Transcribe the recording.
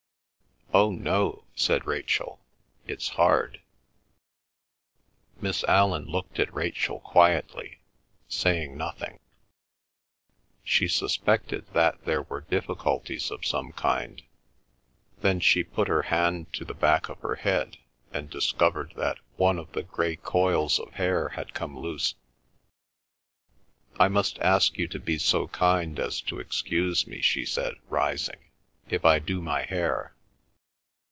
"Oh no," said Rachel. "It's hard!" Miss Allan looked at Rachel quietly, saying nothing; she suspected that there were difficulties of some kind. Then she put her hand to the back of her head, and discovered that one of the grey coils of hair had come loose. "I must ask you to be so kind as to excuse me," she said, rising, "if I do my hair.